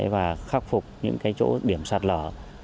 và khắc phục những chỗ điểm sạt lở